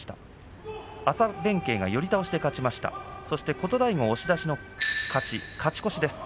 琴太豪、押し出しの勝ちで勝ち越しです。